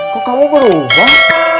kok kamu berubah